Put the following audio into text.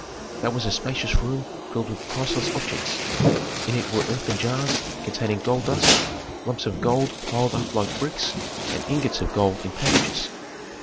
That was a spacious room filled with priceless objects. In it were earthen jars containing gold dust, lumps of gold piled up like bricks, and ingots of gold in packages.